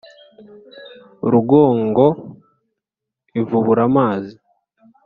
rugongo ivubura amazi ,